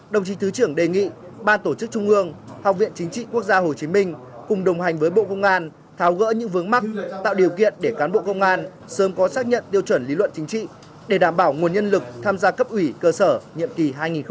đồng chí thứ trưởng đề nghị ban tổ chức trung ương học viện chính trị quốc gia hồ chí minh cùng đồng hành với bộ công an tháo gỡ những vướng mắt tạo điều kiện để cán bộ công an sớm có xác nhận tiêu chuẩn lý luận chính trị để đảm bảo nguồn nhân lực tham gia cấp ủy cơ sở nhiệm kỳ hai nghìn hai mươi hai nghìn hai mươi năm